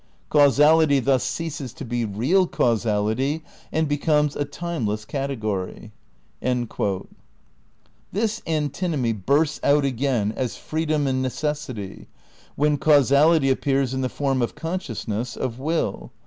Causality thus ceases to be real causality and becomes a timeless category." ^ This antinomy bursts out again as freedom and ne cessity, when causality appears in the form of con sciousness, of will.